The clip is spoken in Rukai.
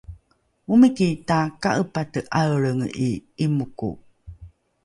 omiki taka’epate ’aelrenge ’i ’imoko